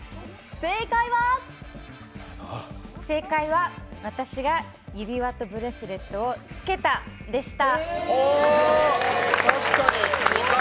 正解は正解は私が指輪とブレスレットをつけたでした。